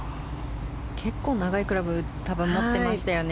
結構長いクラブ持ってましたよね。